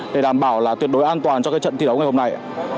để đảm bảo là tuyệt đối an toàn cho trận thi đấu ngày hôm nay